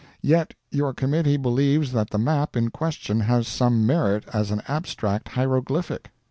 Yet your committee believes that the map in question has some merit as an abstract hieroglyphic.